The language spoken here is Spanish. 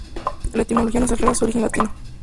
La etimología nos aclara su origen latino.